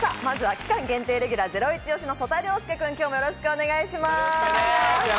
期間限定レギュラー、ゼロイチ推しの曽田陵介君、今日もよろしくお願いします。